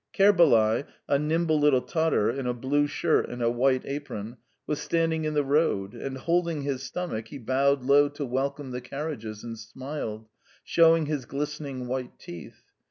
Kerbalay, a nimble little Tatar in a blue shirt and a white apron, was standing in the road, and, holding his stomach, he bowed low to welcome the carriages, and smiled, showing his glistening white teeth.